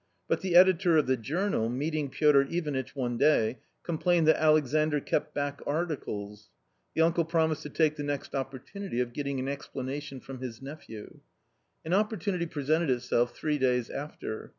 But the editor of the journal, meeting Piotr Ivanitch one day, complained that Alexandr kept back articles. The uncle promised to take the next oppor tunity of getting an explanation from his nephew. An opportunity presented itself three days after.